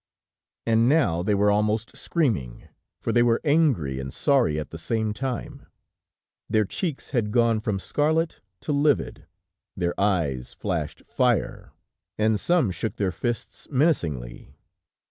And now they were almost screaming, for they were angry and sorry at the same time. Their cheeks had gone from scarlet to livid, their eyes flashed fire, and some shook their fists menacingly.